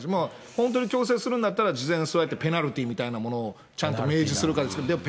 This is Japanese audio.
本当に強制するんだったら、事前にそうやってペナルティーみたいなものをちゃんと明示するかですけども。